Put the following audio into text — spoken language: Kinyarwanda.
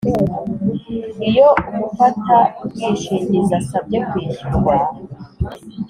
Iyo umufatabwishingizi asabye kwishyurwa